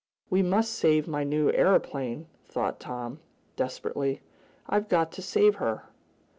"We must save my new aeroplane!" thought Tom, desperately. "I've got to save her!"